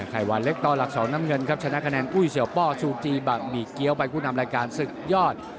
ไข่หวานเล็กต่อหลัก๒น้ำเงินครับชนะคะแนนปุ้ยเสียวป้อซูจีบะหมี่เกี้ยวไปผู้นำรายการศึกยอด